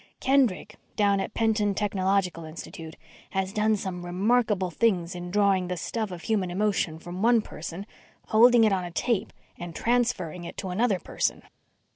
"Kendrick, down at Penton Technological Institute, has done some remarkable things in drawing the stuff of human emotion from one person, holding it on a tape, and transferring it to another person."